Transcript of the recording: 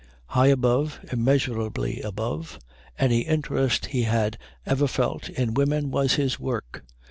High above, immeasurably above, any interest he had ever felt in women was his work.